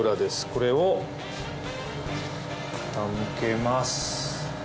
これを傾けます。